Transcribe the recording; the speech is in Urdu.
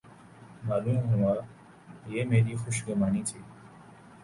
معلوم ہوا یہ میری خوش گمانی تھی۔